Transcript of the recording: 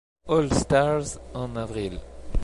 All-Stars en avril.